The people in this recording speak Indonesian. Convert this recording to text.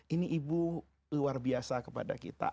ini ibu luar biasa kepada kita